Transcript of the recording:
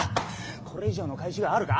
これ以上の返しがあるか？